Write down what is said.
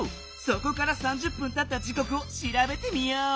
そこから３０分たった時こくをしらべてみよう。